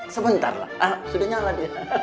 sebentar lah sudah nyala dia